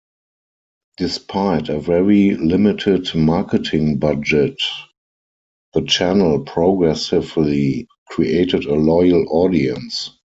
Despite a very limited marketing budget the channel progressively created a loyal audience.